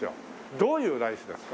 どういうライスですか？